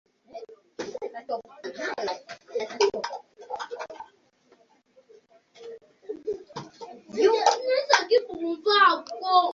Kaakano tulina eby'okulabirako bingi nnyo akasimbi konna ke tufuna ku nnimiro kamalibwawo abapakasi.